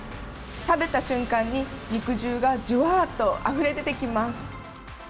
食べた瞬間に、肉汁がじゅわーっとあふれ出てきます。